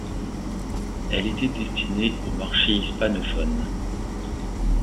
Elle était destinée au marché hispanophone.